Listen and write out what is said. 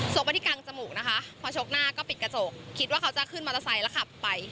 ไปที่กลางจมูกนะคะพอชกหน้าก็ปิดกระจกคิดว่าเขาจะขึ้นมอเตอร์ไซค์แล้วขับไป